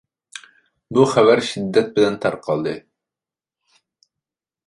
بۇ خەۋەر شىددەت بىلەن تارقالدى،